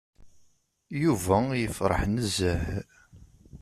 Yuba yefreḥ nezzeh.